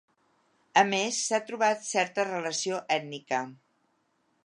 A més, s'ha trobat certa relació ètnica.